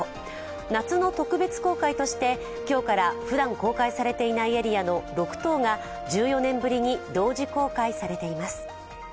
夏の特別公開として今日からふだん公開されていないエリアの６棟が１４年ぶりに同時公開されています。